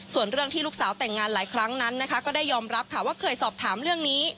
ส่วนเรื่องที่ลูกสาวแต่งงานหลายครั้งนั้นนะคะก็ได้ยอมรับค่ะว่าเคยสอบถามเรื่องนี้